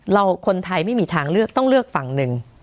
คนไทยไม่มีทางเลือกต้องเลือกฝั่งหนึ่ง